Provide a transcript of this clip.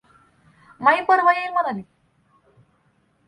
माई परवा येईल म्हणाली.